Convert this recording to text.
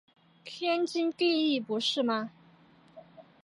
天经地义不是吗？